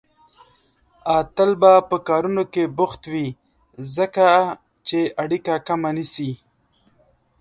اتل به په کارونو کې بوخت وي، ځکه چې اړيکه کمه نيسي